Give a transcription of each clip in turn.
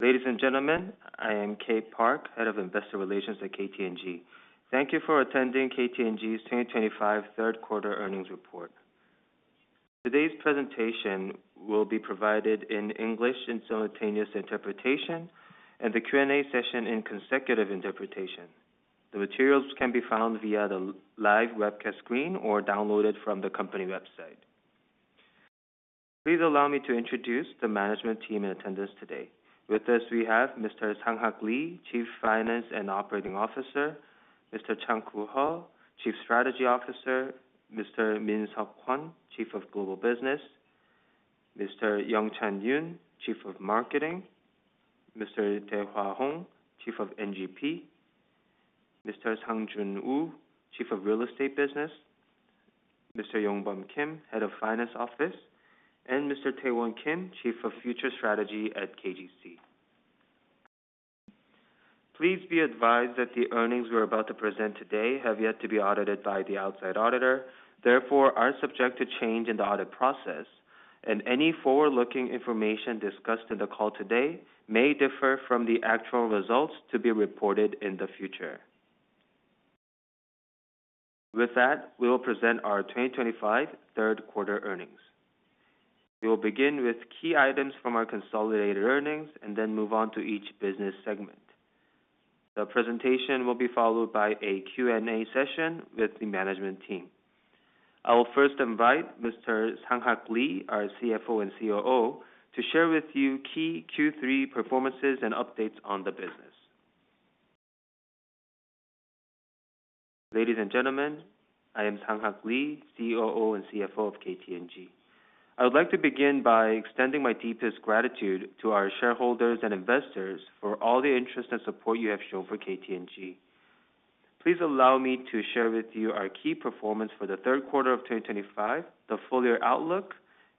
Ladies and gentlemen, I am Kate Park, Head of Investor Relations at KT&G. Thank you for attending KT&G's 2025 third-quarter earnings report. Today's presentation will be provided in English and simultaneous interpretation, and the Q&A session in consecutive interpretation. The materials can be found via the live webcast screen or downloaded from the company website. Please allow me to introduce the management team in attendance today. With us, we have Mr. Sang-Hak Lee, Chief Finance and Operating Officer, Mr. Chang-Koo Ho, Chief Strategy Officer, Mr. Min-Seok Kwon, Chief of Global Business, Mr. Yong-Chan Yoon, Chief of Marketing, Mr. Dae-Hwa Hong, Chief of NGP, Mr. Sang-Jun Woo, Chief of Real Estate Business, Mr. Yong-Bum Kim, Head of Finance Office, and Mr. Tae-Won Kim, Chief of Future Strategy at KGC. Please be advised that the earnings we are about to present today have yet to be audited by the outside auditor, therefore, are subject to change in the audit process. Any forward-looking information discussed in the call today may differ from the actual results to be reported in the future. With that, we will present our 2025 third-quarter earnings. We will begin with key items from our consolidated earnings and then move on to each business segment. The presentation will be followed by a Q&A session with the management team. I will first invite Mr. Sang-Hak Lee, our CFO and COO, to share with you key Q3 performances and updates on the business. Ladies and gentlemen, I am Sang-Hak Lee, COO and CFO of KT&G. I would like to begin by extending my deepest gratitude to our shareholders and investors for all the interest and support you have shown for KT&G. Please allow me to share with you our key performance for the third quarter of 2025, the full year outlook,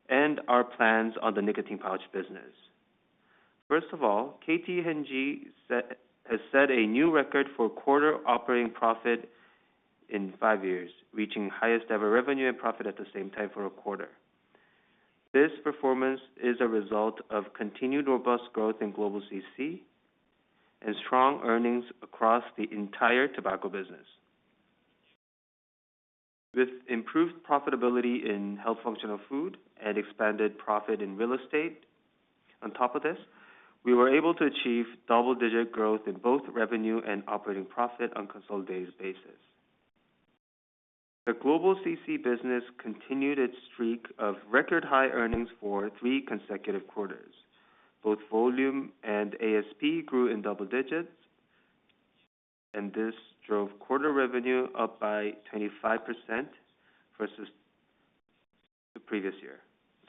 and our plans on the nicotine pouch business. First of all, KT&G has set a new record for quarter operating profit in five years, reaching highest-ever revenue and profit at the same time for a quarter. This performance is a result of continued robust growth in global CC and strong earnings across the entire tobacco business. With improved profitability in health-functional food and expanded profit in real estate, on top of this, we were able to achieve double-digit growth in both revenue and operating profit on a consolidated basis. The global CC business continued its streak of record-high earnings for three consecutive quarters. Both volume and ASP grew in double digits. This drove quarter revenue up by 25% versus the previous year,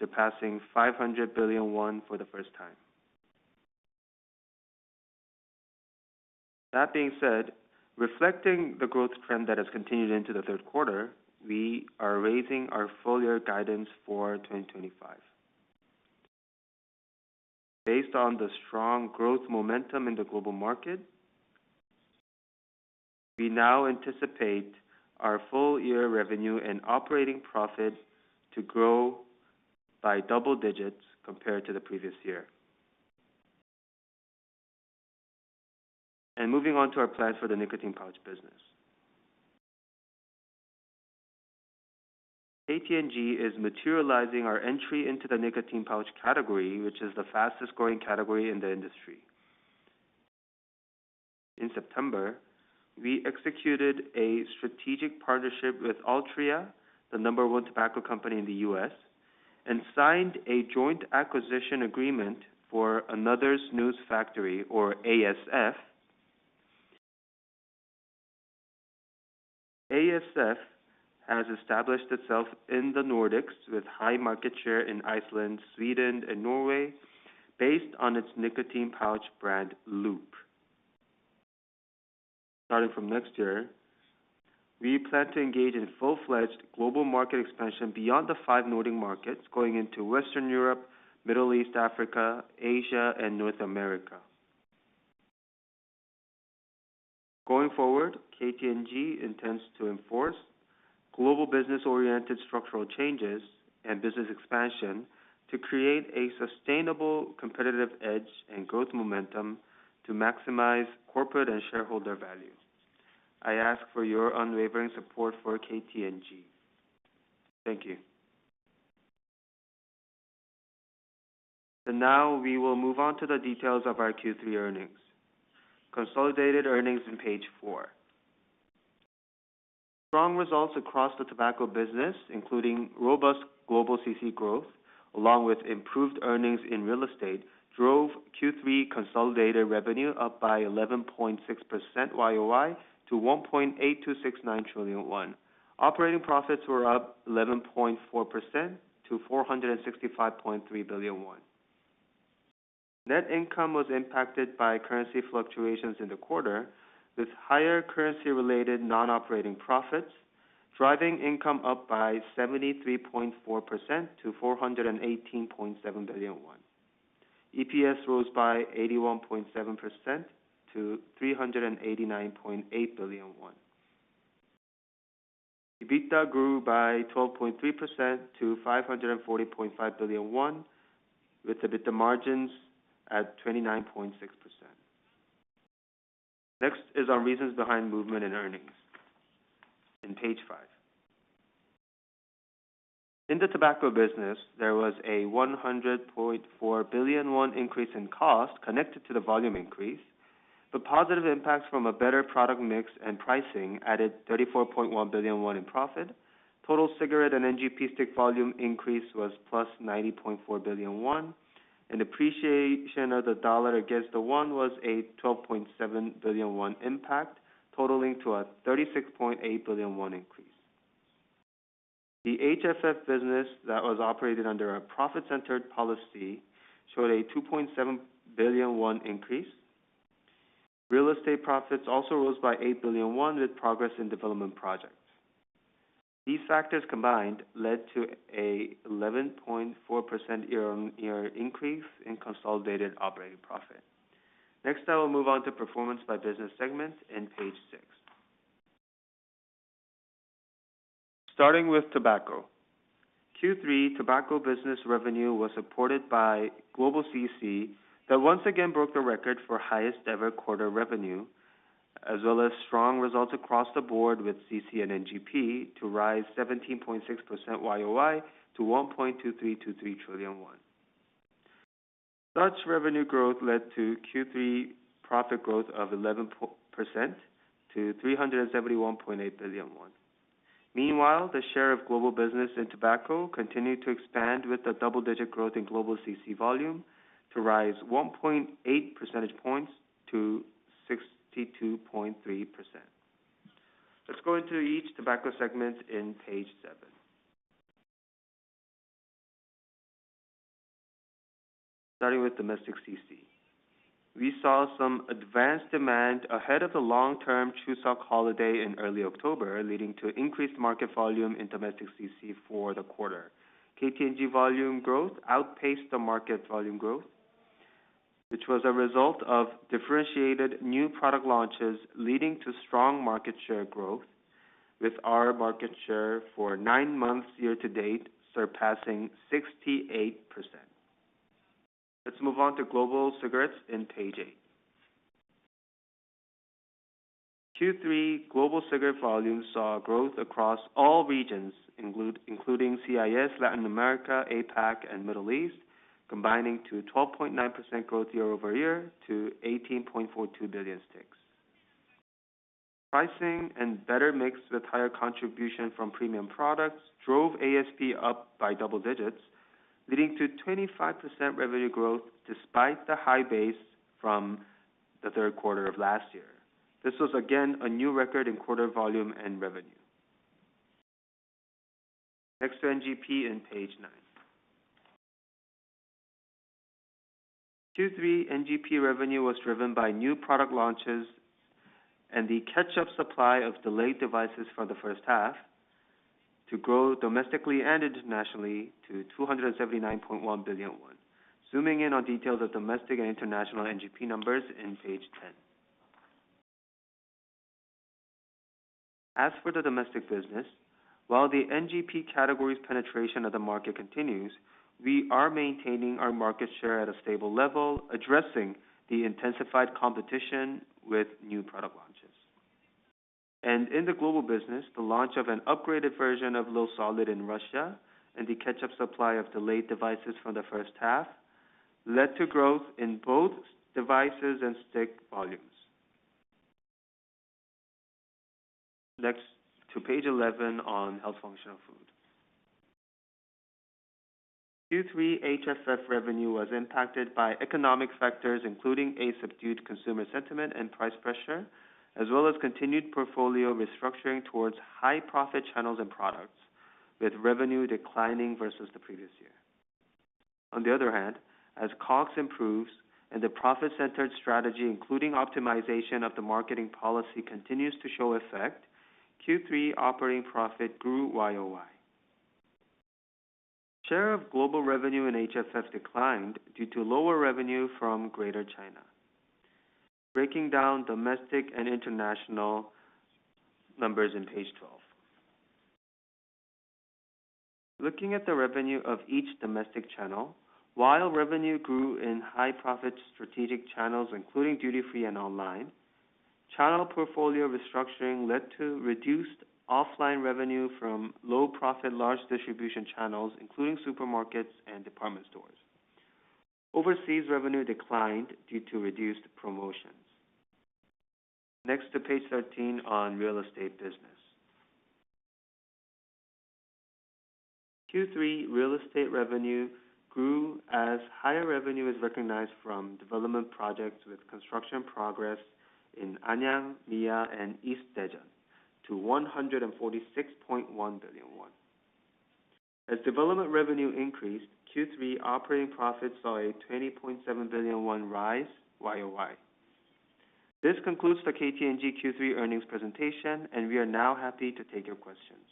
surpassing 500 billion won for the first time. That being said, reflecting the growth trend that has continued into the third quarter, we are raising our full year guidance for 2025. Based on the strong growth momentum in the global market, we now anticipate our full year revenue and operating profit to grow by double digits compared to the previous year. Moving on to our plans for the nicotine pouch business, KT&G is materializing our entry into the nicotine pouch category, which is the fastest-growing category in the industry. In September, we executed a strategic partnership with Altria, the number one tobacco company in the US, and signed a joint acquisition agreement for Another Snus Factory, or ASF. ASF has established itself in the Nordics with high market share in Iceland, Sweden, and Norway, based on its nicotine pouch brand LOOP. Starting from next year, we plan to engage in full-fledged global market expansion beyond the five Nordic markets, going into Western Europe, Middle East, Africa, Asia, and North America. Going forward, KT&G intends to enforce global business-oriented structural changes and business expansion to create a sustainable competitive edge and growth momentum to maximize corporate and shareholder value. I ask for your unwavering support for KT&G. Thank you. Now we will move on to the details of our Q3 earnings. Consolidated earnings in page four. Strong results across the tobacco business, including robust global CC growth, along with improved earnings in real estate, drove Q3 consolidated revenue up by 11.6% year-over-year to 1.8269 trillion won. Operating profits were up 11.4% to 465.3 billion won. Net income was impacted by currency fluctuations in the quarter, with higher currency-related non-operating profits driving income up by 73.4% to 418.7 billion won. EPS rose by 81.7% to 389.8 billion won. EBITDA grew by 12.3% to 540.5 billion won, with EBITDA margins at 29.6%. Next is on reasons behind movement in earnings. In page five. In the tobacco business, there was a 100.4 billion won increase in cost connected to the volume increase. The positive impact from a better product mix and pricing added 34.1 billion won in profit. Total cigarette and NGP stick volume increase was plus 90.4 billion won, and appreciation of the dollar against the won was a 12.7 billion won impact, totaling to a 36.8 billion won increase. The HFF business that was operated under a profit-centered policy showed a 2.7 billion won increase. Real estate profits also rose by 8 billion won, with progress in development projects. These factors combined led to an 11.4% year-on-year increase in consolidated operating profit. Next, I will move on to performance by business segments in page six. Starting with tobacco. Q3 tobacco business revenue was supported by global CC that once again broke the record for highest-ever quarter revenue, as well as strong results across the board with CC and NGP to rise 17.6% year-on-year to 1.2323 trillion won. Such revenue growth led to Q3 profit growth of 11% to 371.8 billion won. Meanwhile, the share of global business in tobacco continued to expand with the double-digit growth in global CC volume to rise 1.8 percentage points to 62.3%. Let's go into each tobacco segment in page seven. Starting with domestic CC. We saw some advanced demand ahead of the long-term Chuseok holiday in early October, leading to increased market volume in domestic CC for the quarter. KT&G volume growth outpaced the market volume growth, which was a result of differentiated new product launches, leading to strong market share growth, with our market share for nine months year-to-date surpassing 68%. Let's move on to global cigarettes in page eight. Q3 global cigarette volume saw growth across all regions, including CIS, Latin America, APAC, and Middle East, combining to 12.9% growth year-over-year to 18.42 billion sticks. Pricing and better mix with higher contribution from premium products drove ASP up by double digits, leading to 25% revenue growth despite the high base from the third quarter of last year. This was, again, a new record in quarter volume and revenue. Next to NGP in page nine Q3 NGP revenue was driven by new product launches and the catch-up supply of delayed devices for the first half, to grow domestically and internationally to 279.1 billion won. Zooming in on details of domestic and international NGP numbers in page ten. As for the domestic business, while the NGP category's penetration of the market continues, we are maintaining our market share at a stable level, addressing the intensified competition with new product launches. In the global business, the launch of an upgraded version of Low Solid in Russia and the catch-up supply of delayed devices from the first half led to growth in both devices and stick volumes. Next to page eleven on health functional food Q3 HFF revenue was impacted by economic factors, including a subdued consumer sentiment and price pressure, as well as continued portfolio restructuring towards high-profit channels and products, with revenue declining versus the previous year. On the other hand, as COGS improves and the profit-centered strategy, including optimization of the marketing policy, continues to show effect, Q3 operating profit grew YOY. Share of global revenue in HFF declined due to lower revenue from Greater China. Breaking down domestic and international. Numbers in page twelve. Looking at the revenue of each domestic channel, while revenue grew in high-profit strategic channels, including duty-free and online, channel portfolio restructuring led to reduced offline revenue from low-profit large distribution channels, including supermarkets and department stores. Overseas revenue declined due to reduced promotions. Next to page thirteen on real estate business.Q3 real estate revenue grew as higher revenue is recognized from development projects with construction progress in Anyang, Mia, and East Daejeon to 146.1 billion won. As development revenue increased, Q3 operating profit saw a 20.7 billion won rise YOY. This concludes the KT&G Q3 earnings presentation, and we are now happy to take your questions.